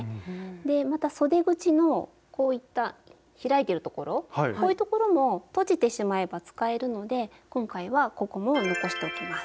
でまたそで口のこういった開いてるところこういうところもとじてしまえば使えるので今回はここも残しておきます。